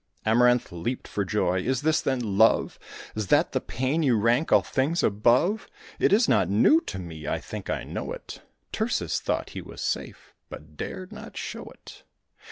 Amaranth leaped for joy: "Is this, then, love? Is that the pain you rank all things above? It is not new to me: I think I know it." Tircis thought he was safe, but dared not show it.